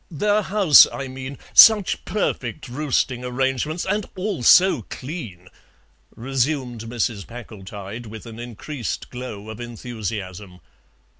"Their house, I mean; such perfect roosting arrangements, and all so clean," resumed Mrs. Packletide, with an increased glow of enthusiasm.